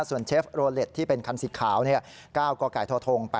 ส่วนเชฟโรเล็ตที่เป็นคันสิทธิ์ขาวเนี่ย๙กกท๘๘๙๔